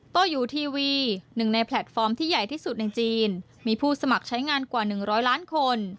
โต้อยู่ทีวีหนึ่งในแพลตฟอร์มที่ใหญ่ที่สุดในจีนมีผู้สมัครใช้งานกว่า๑๐๐ล้านคน